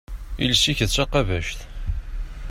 Iles-ik d taqabact.